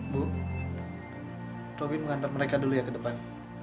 bu robin mengantar mereka dulu ya ke depan